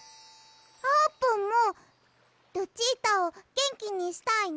あーぷんもルチータをげんきにしたいの？